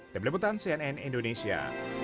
dpr pertama cnn indonesia